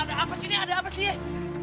ada apa sih nih ada apa sih